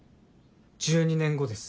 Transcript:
１２年後です。